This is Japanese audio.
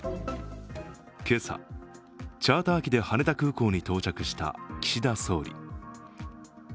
今朝、チャーター機で羽田空港に到着した岸田総理。